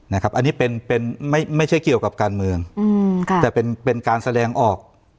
นะครับอันนี้เป็นเป็นไม่ไม่ใช่เกี่ยวกับการเมืองอืมค่ะแต่เป็นเป็นการแสดงออก